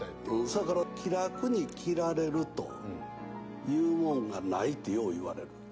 そやから気楽に着られるというもんがないってよう言われる。